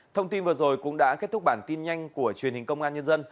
thông tin vừa rồi cũng đã kết thúc bản tin nhanh của truyền hình công an nhân dân